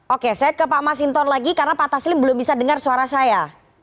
oke saya ke pak masinton lagi karena pak taslim belum bisa dengar suara saya